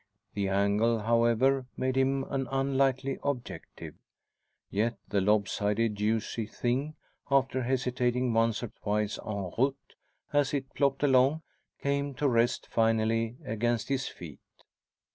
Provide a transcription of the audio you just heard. The angle, however, made him an unlikely objective. Yet the lob sided, juicy thing, after hesitating once or twice en route as it plopped along, came to rest finally against his feet.